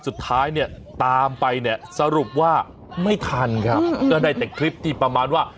สุดท้ายเนี่ยตามไปเนี่ยสรุปว่าไม่ทันครับก็ได้แต่คลิปที่ประมาณว่า